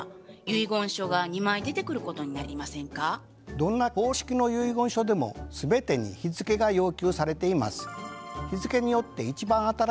どんな方式の遺言書でも全てに日付が要求されています。